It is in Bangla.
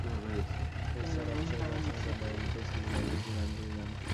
হেড স্যার অবসরে যাওয়ার সময় তাঁর ডায়েরিটা স্কুলের লাইব্রেরিতে দান করে যান।